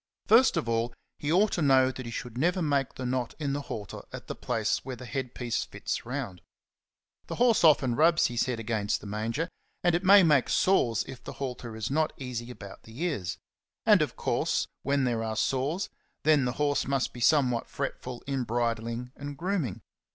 First of all, he ought to know that he should never make the knot in the halter at the place where the head piece fits round. The horse often rubs his head against the manger, and it may make sores if the halter is not easy about the ears ; and of course when there are sores, then the horse must be somewhat fretful in bridling and grooming.